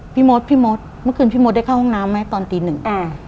พี่มดพี่มดเมื่อคืนพี่มดได้เข้าห้องน้ำไหมตอนตีหนึ่งอ่า